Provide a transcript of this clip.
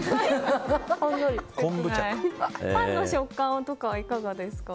パンの食感とかはいかがですか？